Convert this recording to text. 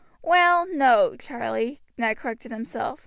"Well, no, Charlie," Ned corrected himself.